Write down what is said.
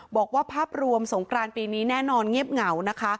บอกว่าภาพรวมสงกรานปีนี้แน่นอนเงียบเหงานะคะ